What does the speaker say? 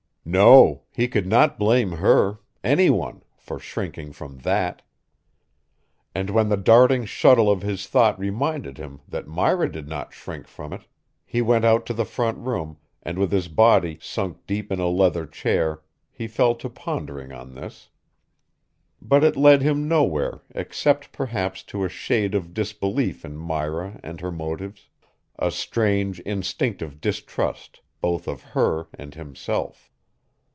No, he could not blame her, any one, for shrinking from that. And when the darting shuttle of his thought reminded him that Myra did not shrink from it, he went out to the front room and with his body sunk deep in a leather chair he fell to pondering on this. But it led him nowhere except perhaps to a shade of disbelief in Myra and her motives, a strange instinctive distrust both of her and himself.